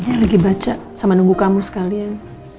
saya lagi baca sama nunggu kamu sekalian